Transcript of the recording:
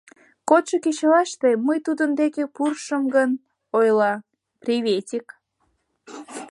Кодшо кечылаште мый тудын деке пурышым гын, ойла: «Приветик!»